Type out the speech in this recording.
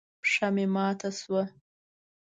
پښه مې ماته شوه.